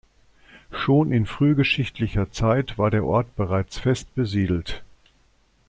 Schon in frühgeschichtlicher Zeit war der Ort bereits fest besiedelt.